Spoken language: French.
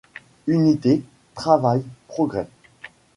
Unité, Travail, Progrès.